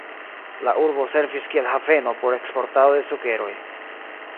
La urbo servis kiel haveno por eksportado de sukeroj.